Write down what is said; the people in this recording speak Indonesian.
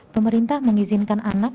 pemerintah mengizinkan anak